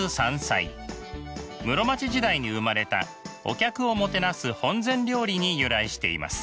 室町時代に生まれたお客をもてなす本膳料理に由来しています。